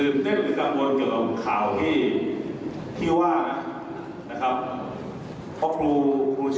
มาต่อก็ดูเหอะไม่ต้องที่จะเคยพูด